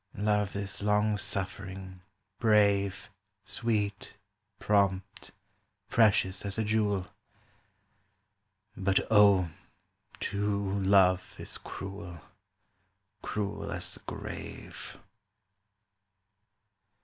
Love is long suffering, brave, Sweet, prompt, precious as a jewel; But O, too, Love is cruel, Cruel as the grave.